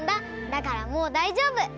だからもうだいじょうぶ！